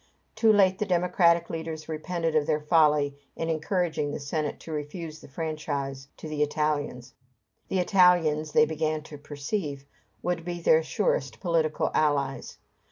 Too late the democratic leaders repented of their folly in encouraging the Senate to refuse the franchise to the Italians. The Italians, they began to perceive, would be their surest political allies.